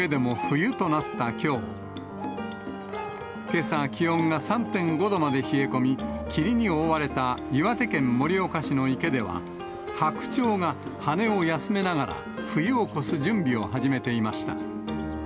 けさ、気温が３．５度まで冷え込み、霧に覆われた岩手県盛岡市の池では、ハクチョウが羽を休めながら冬を越す準備を始めていました。